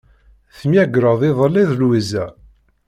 Temyagreḍ iḍelli d Lwiza.